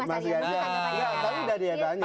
tadi sudah dia tanya